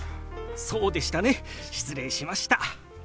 そうでしたね失礼しました。